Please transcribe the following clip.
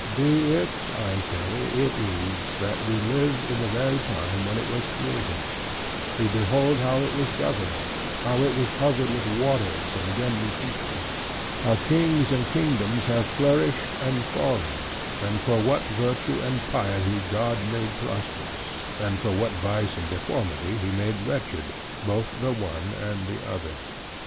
By it (I say) it is, that we live in the very time when it was created: we behold how it was governed: how it was covered with waters, and again repeopled: how kings and kingdoms have flourished and fallen, and for what virtue and piety God made prosperous; and for what vice and deformity he made wretched, both the one and the other.